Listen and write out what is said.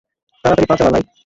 তাড়াতাড়ি পা চালা ভাই!